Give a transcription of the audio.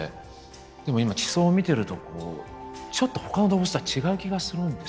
でも今地層を見てるとこうちょっとほかの動物とは違う気がするんですよね。